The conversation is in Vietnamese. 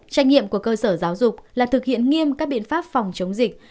trách nhiệm của cơ sở giáo dục là thực hiện nghiêm các biện pháp phòng chống dịch